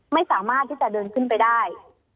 ไม่สามารถที่จะเดินขึ้นไปได้